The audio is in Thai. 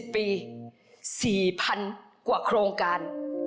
ปี๔๐๐๐กว่าโครงการ